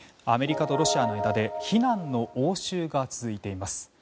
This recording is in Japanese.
アメリカとロシアの間で非難の応酬が続いています。